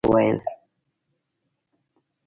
مستو اکبرجان ته غږ وکړ او ورته یې وویل.